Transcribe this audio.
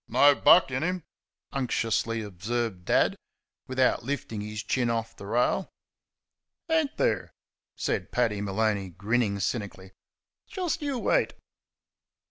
"No buck in him!" unctuously observed Dad, without lifting his chin off the rail. "Ain't there?" said Paddy Maloney, grinning cynically. "Just you wait!"